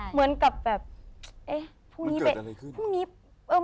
เหมือนกับแบบ